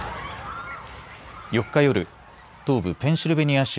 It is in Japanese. ４日夜、東部ペンシルベニア州